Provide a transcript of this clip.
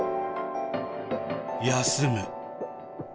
休む。